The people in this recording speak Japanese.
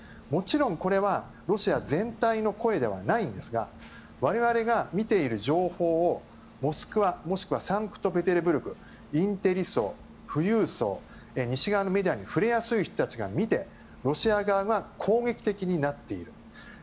もちろん、これはロシア全体の声ではないんですが我々が見ている情報をモスクワ、もしくはサンクトペテルブルクのインテリ層、富裕層西側のメディアに触れやすい人たちが見てロシア側は攻撃的になっている。